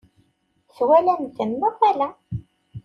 Twalam-ten neɣ ala?